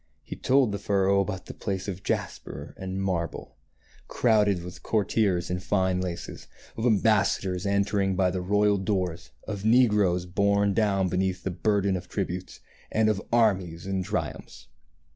He told the furrow about the palace of jasper and marble, crowded THE THREE SOWERS 29 with courtiers in fine laces, of ambassadors entering by the royal doors, of negroes borne down beneath the burden of tributes, and of armies and triumphs.